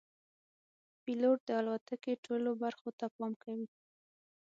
پیلوټ د الوتکې ټولو برخو ته پام کوي.